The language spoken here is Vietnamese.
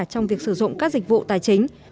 trong việc sử dụng các dịch vụ tài chính